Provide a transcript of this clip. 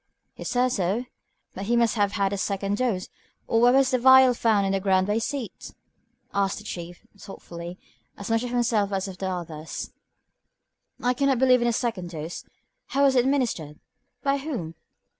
"He says so. But he must have had a second dose, or why was the vial found on the ground by his seat?" asked the Chief, thoughtfully, as much of himself as of the others. "I cannot believe in a second dose. How was it administered by whom?